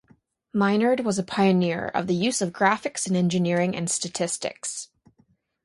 Minard was a pioneer of the use of graphics in engineering and statistics.